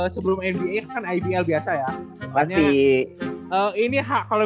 sebelum ini kan ideal biasa ya pasti ini hak kalau misalnya kalau misalnya kalau misalnya kalau misalnya